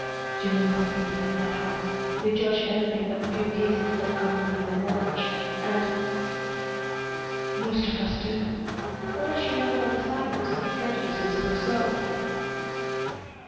"You know how people like that are. They judge everything by the few cases that come within their knowledge, and " "Most of us do. What does she know about asylums that prejudices her so?"